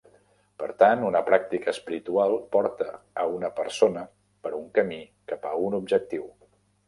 Per tant, una pràctica espiritual porta a una persona per un camí cap a un objectiu.